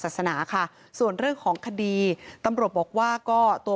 ศาสนาค่ะส่วนเรื่องของคดีตำรวจบอกว่าก็ตัว